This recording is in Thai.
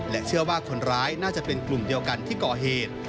เชื่อว่าคนร้ายน่าจะเป็นกลุ่มเดียวกันที่ก่อเหตุ